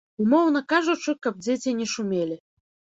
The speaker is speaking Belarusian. Умоўна кажучы, каб дзеці не шумелі.